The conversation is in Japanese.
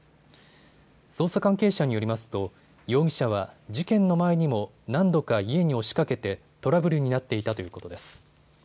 捜査関係者によりますと容疑者は事件の前にも何度か家に押しかけてトラブルになっていたということです。